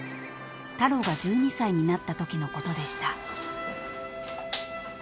［タロが１２歳になったときのことでした］